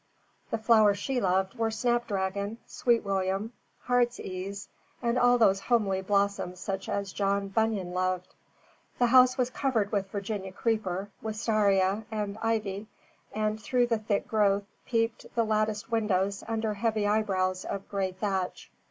The flowers she loved were snapdragon, sweet william, heart's ease, and all those homely blossoms such as John Bunyan loved. The house was covered with Virginia creeper, wistaria and ivy, and through the thick growth peeped the latticed windows under heavy eyebrows of gray thatch.